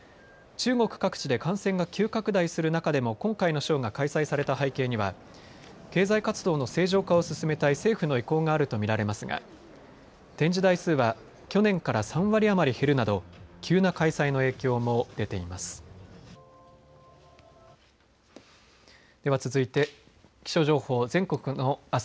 中国各地で感染が急拡大する中でも今回のショーが開催された背景には経済活動の正常化を進めたい政府の意向があると見られますが展示台数は去年から３割余り減るなど急な開催の影響も出ています。